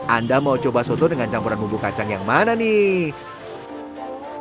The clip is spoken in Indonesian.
anda mau coba soto dengan campuran bumbu kacang yang mana nih